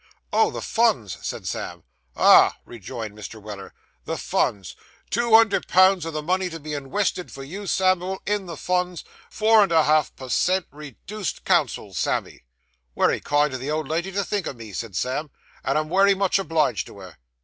'Oh! the funds,' said Sam. 'Ah!' rejoined Mr. Weller, 'the funs; two hundred pounds o' the money is to be inwested for you, Samivel, in the funs; four and a half per cent. reduced counsels, Sammy.' 'Wery kind o' the old lady to think o' me,' said Sam, 'and I'm wery much obliged to her.